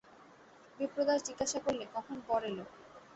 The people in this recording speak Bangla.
বিপ্রদাস জিজ্ঞাসা করলে, কখন বর এল?